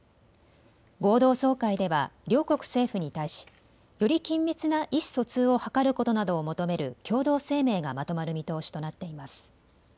合同総会では両国政府に対しより緊密な意思疎通を図ることなどを求める共同声明がまとまる見通しとなっています。